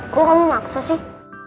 kok kamu maksa sih